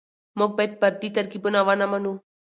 موږ بايد پردي ترکيبونه ونه منو.